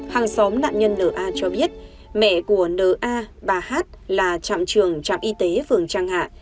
hàng xóm nạn nhân nna cho biết mẹ của nna bà hát là trạm trường trạm y tế phường trang hạ